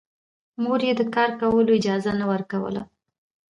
مور يې د کار کولو اجازه نه ورکوله